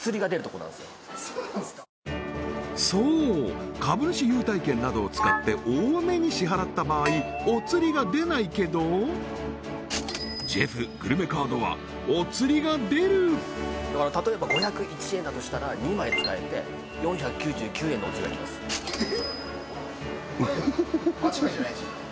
そう株主優待券などを使って多めに支払った場合お釣りが出ないけどジェフグルメカードはお釣りが出るだから例えば５０１円だとしたら２枚使えて４９９円のお釣りが来ますえっ？